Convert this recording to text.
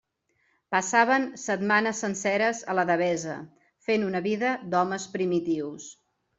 Passaven setmanes senceres a la Devesa, fent una vida d'homes primitius.